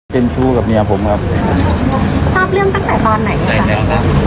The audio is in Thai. เป็นชู้กับเมียผมครับทราบเรื่องตั้งแต่ตอนไหนครับ